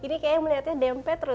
ini kayak melihatnya dempet seru